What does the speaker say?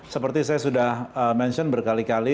seperti saya sudah mention berkali kali